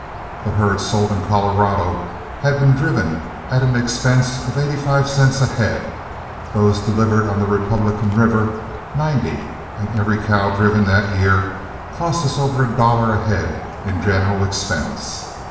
The herds sold in Colorado had been driven at an expense of eighty five cents a head, those delivered on the Republican River ninety, and every cow driven that year cost us over one dollar a head in general expense.